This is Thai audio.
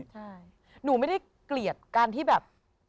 ใช่หนูไม่ได้เกลียดการที่แบบ